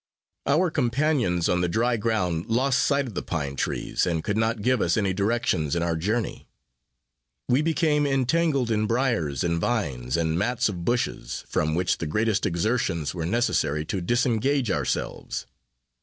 Our companions on the dry ground lost sight of the pine trees, and could not give us any directions in our journey. We became entangled in briers, and vines, and mats of bushes, from which the greatest exertions were necessary to disengage ourselves.